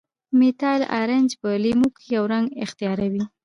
میتایل ارنج په لیمو کې یو رنګ اختیاروي.